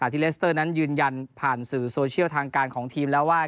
ที่เลสเตอร์นั้นยืนยันผ่านสื่อโซเชียลทางการของทีมแล้วว่า